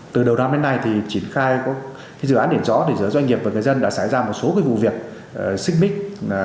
từ đầu năm đến nay thì triển khai dự án để rõ giữa doanh nghiệp và người dân đã xảy ra một số vụ việc xích mích